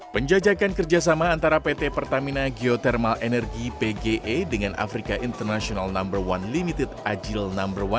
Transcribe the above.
penjajakan kerjasama antara pt pertamina geothermal energy pge dengan afrika international no satu limited agile no satu